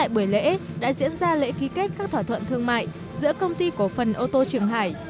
buổi lễ đã diễn ra lễ ký kết các thỏa thuận thương mại giữa công ty cổ phần ô tô trường hải